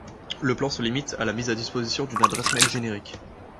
Le plan se limite à la mise à disposition d'une adresse mail générique.